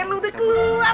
lo udah keluar